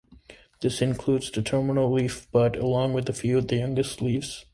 This includes the terminal leaf bud along with a few of the youngest leaves.